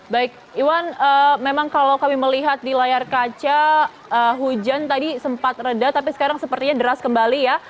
baik iwan memang kalau kami melihat di layar kaca hujan tadi sempat reda tapi sekarang sepertinya deras kembali ya